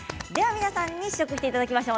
皆さんに試食していただきましょう。